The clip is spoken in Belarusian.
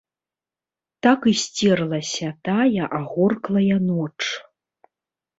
Так і сцерлася тая агорклая ноч.